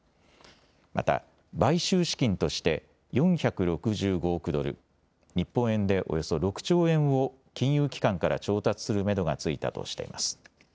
また買収資金として４６５億ドル日本円でおよそ６兆円を金融機関から調達するめどがついたとしています。